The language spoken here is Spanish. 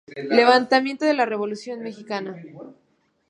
Levantamiento de la Revolución mexicana.